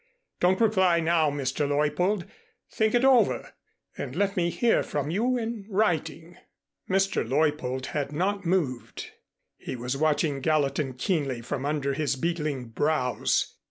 Don't reply now, Mr. Leuppold. Think it over and let me hear from you in writing." Mr. Leuppold had not moved. He was watching Gallatin keenly from under his beetling brows.